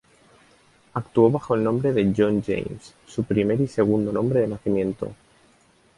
Actuó bajo el nombre de Jon James, su primer y segundo nombre de nacimiento.